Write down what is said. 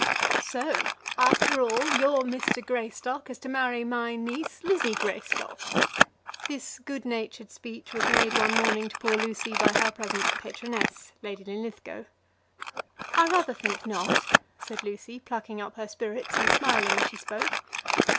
"So, after all, your Mr. Greystock is to marry my niece, Lizzie Greystock." This good natured speech was made one morning to poor Lucy by her present patroness, Lady Linlithgow. "I rather think not," said Lucy plucking up her spirits and smiling as she spoke.